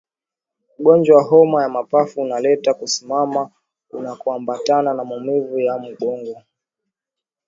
Ugonjwa wa homa ya mapafu unaleta kusimama kunakoambatana na maumivu ya mgongo